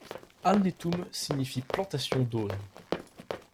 Alnetum signifie plantation d'aulnes.